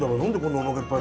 おなかいっぱい。